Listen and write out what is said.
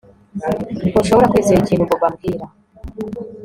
Ntushobora kwizera ikintu Bobo ambwira